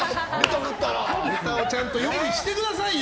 ネタをちゃんと用意してくださいよ！